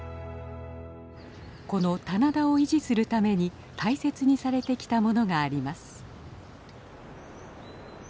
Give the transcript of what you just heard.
この棚田を維持するために大切にされてきたものがあります。